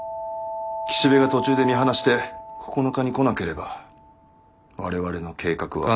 岸辺が途中で見放して９日に来なければ我々の計画は。